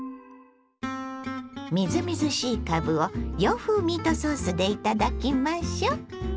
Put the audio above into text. みずみずしいかぶを洋風ミートソースで頂きましょう。